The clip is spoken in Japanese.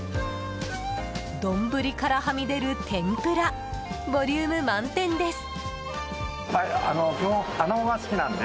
丼からはみ出る天ぷらボリューム満点です。